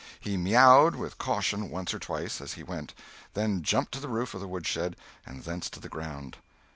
He "meow'd" with caution once or twice, as he went; then jumped to the roof of the woodshed and thence to the ground.